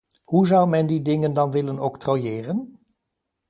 Hoe zou men die dingen dan willen octrooieren?